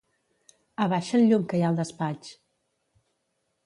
Abaixa el llum que hi ha al despatx.